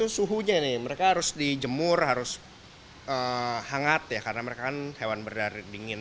suhunya ini mereka harus dijemur harus hangat ya karena mereka kan hewan berdarit dingin